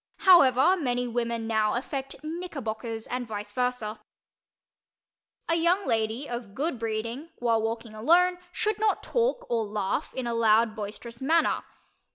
However, many women now affect "knickerbockers" and vice versa. A young lady of good breeding, when walking alone, should not talk or laugh in a loud boisterous manner.